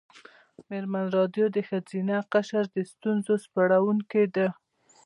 مېرمن راډیو د ښځینه قشر د ستونزو سپړونکې ده.